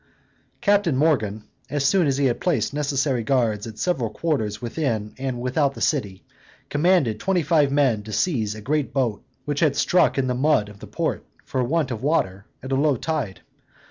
Captain Morgan, as soon as he had placed necessary guards at several quarters within and without the city, commanded twenty five men to seize a great boat, which had stuck in the mud of the port, for want of water, at a low tide.